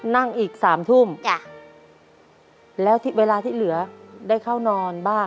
นั่งอีกสามทุ่มแล้วเวลาที่เหลือได้เข้านอนบ้าง